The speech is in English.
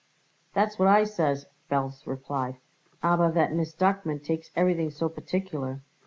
"That's what I says," Belz replied, "aber that Miss Duckman takes everything so particular.